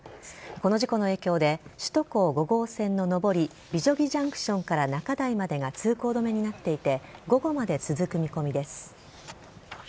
この事故の影響で首都高５号線の上り美女木ジャンクションから中台までが通行止めになっていて午後まで続く見込みです。